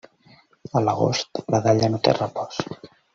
A l'agost, la dalla no té repòs.